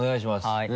はい。